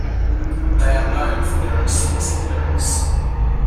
They are known for their explicit lyrics.